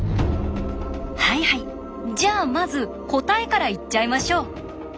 はいはいじゃあまず答えから言っちゃいましょう。